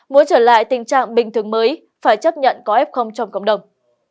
muốn trở lại tình trạng bình thường mới phải chấp nhận có ép không trong cộng đồng